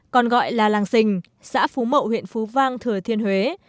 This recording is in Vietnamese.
còn gọi là làng sình xã phú mậu huyện phú vang thừa thiên huế